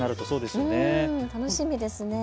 楽しみですね。